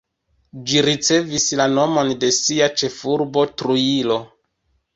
Ĝi ricevis la nomon de sia ĉefurbo, Trujillo.